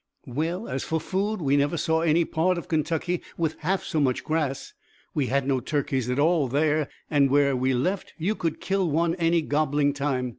"Well, as for food, we never saw any part of Kentucky with half so much grass. We had no turkeys at all there, and where we left you could kill one any gobbling time.